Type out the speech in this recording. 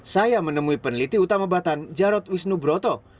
saya menemui peneliti utama batan jarod wisnu broto